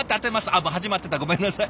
あもう始まってたごめんなさい。